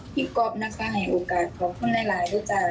พี่ก๊อฟนะคะให้โอกาสของคนหลายทุกคนรู้จัด